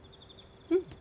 うん。